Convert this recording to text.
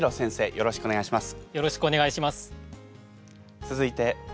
よろしくお願いします。